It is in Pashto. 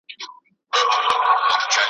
بلبل نه وو یوه نوې تماشه وه ,